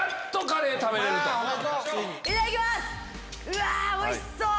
うわおいしそう！